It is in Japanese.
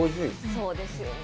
そうですよね。